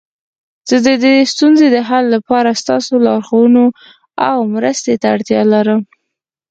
زه د دې ستونزې د حل لپاره ستاسو لارښوونو او مرستي ته اړتیا لرم